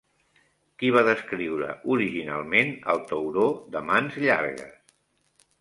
Qui va descriure originalment el tauró de mans llargues?